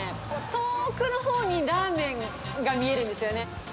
遠くのほうにラーメンが見えるんですよね。